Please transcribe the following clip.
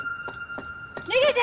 逃げて！